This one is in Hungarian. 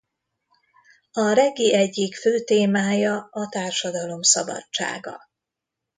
A reggae egyik fő témája a társadalom szabadsága.